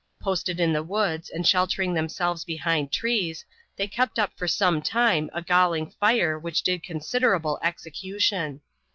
Posted in the woods and sheltering themselves behind trees, they kept up for some time a galling fire which did considerable execution.